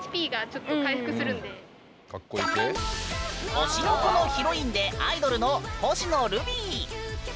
「推しの子」のヒロインでアイドルの星野瑠美衣！